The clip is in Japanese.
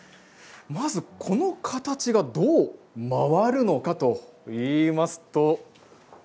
まず、この形がどう回るのかといいますと。